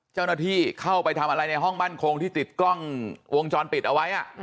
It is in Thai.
เจ้าหน้าที่เข้าไปทำอะไรในห้องมั่นคงที่ติดกล้องวงจรปิดเอาไว้